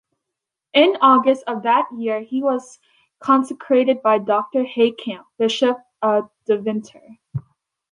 In August of that year he was consecrated by Doctor Heykamp, bishop of Deventer.